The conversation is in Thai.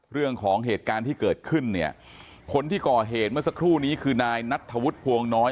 เรื่องของเหตุการณ์ที่เกิดขึ้นเนี่ยคนที่ก่อเหตุเมื่อสักครู่นี้คือนายนัทธวุฒิภวงน้อย